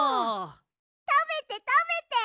たべてたべて！